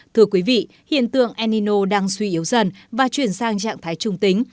thưa quý vị hiện tượng enino đang suy yếu dần và chuyển sang trạng thái trung tính